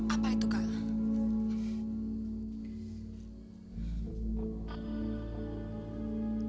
apa itu kak